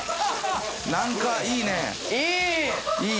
何かいいねいい！